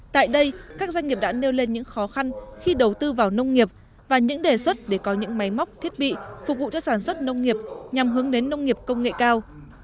tại đây các doanh nghiệp đã nêu lên những khó khăn khi đầu tư vào nông nghiệp và những đề xuất để có những máy móc thiết bị phục vụ cho sản xuất nông nghiệp nhằm hướng đến nông nghiệp công nghệ cao